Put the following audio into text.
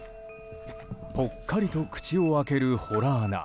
ぽっかりと口を開ける洞穴。